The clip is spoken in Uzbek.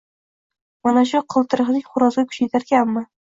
Mana shu qiltiriqning xo‘rozga kuchi yetarkanmi?